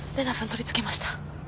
取り付けました。